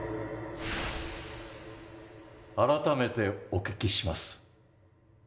改めてお聞きします。